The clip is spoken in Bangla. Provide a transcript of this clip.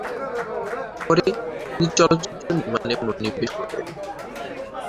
পরে তিনি চলচ্চিত্র নির্মাণে মনোনিবেশ করেন।